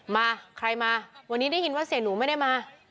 มาใครมาวันนี้ได้ยินว่าเสียหนูไม่ได้มา